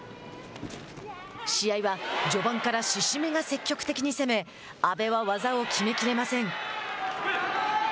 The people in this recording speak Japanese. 試合は序盤から志々目が積極的に攻め阿部は技を決めきれません。